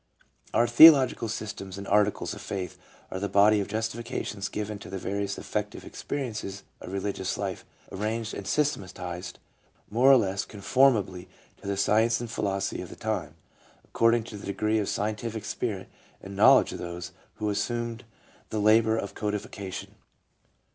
Our theological systems and articles of faith are the body of justifications given to the various affective experiences of religious life, arranged and systematized, more or less con formably to the science and philosophy of the time, according to the degree of scientific spirit and knowledge of those who assumed the labor of codification.